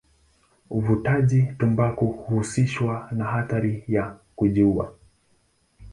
Uvutaji tumbaku huhusishwa na hatari ya kujiua.